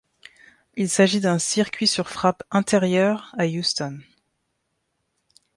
Il s'agit d'un circuit sur frappe intérieure à Houston.